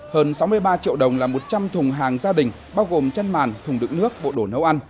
hơn sáu mươi ba triệu đồng là một trăm linh thùng hàng gia đình bao gồm chăn màn thùng đựng nước bộ đồ nấu ăn